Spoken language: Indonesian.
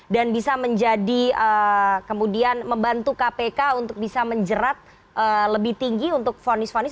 dan bisa menjadi kemudian membantu kpk untuk bisa menjerat lebih tinggi untuk fornis fornis